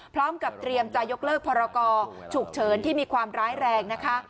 พร้อมกับเตรียมจะยกเลิกพรกรฉุกเฉินที่มีความร้ายแรงนะคะ